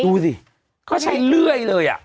ดูสิเขาใช้เลื่อยเลย